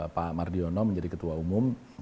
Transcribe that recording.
pak mardiono menjadi ketua umum